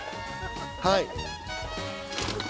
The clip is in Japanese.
はい。